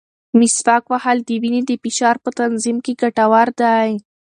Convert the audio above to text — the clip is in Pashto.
مسواک وهل د وینې د فشار په تنظیم کې ګټور دی.